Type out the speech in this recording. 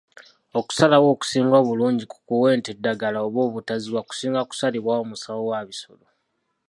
Okusalawo okusinga obulungi ku kuwa ente eddagala oba obutaziwa kusinga kusalibwawo musawo wa bisolo.